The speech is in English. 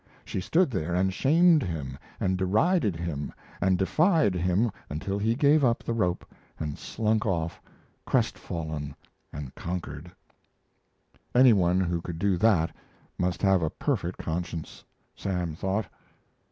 She stood there and shamed him and derided him and defied him until he gave up the rope and slunk off, crestfallen and conquered. Any one who could do that must have a perfect conscience, Sam thought.